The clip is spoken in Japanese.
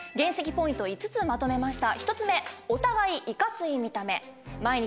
ポイント５つまとめました。